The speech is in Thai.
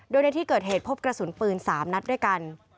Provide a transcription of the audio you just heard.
โดยในที่เกิดเหตุพบกระสุนปืน๓นัดด้วยกัน